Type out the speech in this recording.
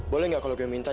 boleh gak kalau gue minta